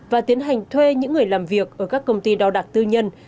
và tiến hành thuê những người làm việc ở các công ty đo đạc tư nhân